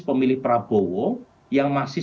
pemilih prabowo yang masih